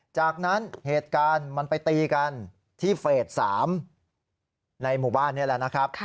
จากนั้นเหตุการณ์มันไปตีกันที่เฟส๓ในหมู่บ้านนี่แหละนะครับ